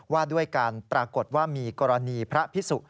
ว่าด้วยการปรากฏว่ามีกรณีพระพิสุ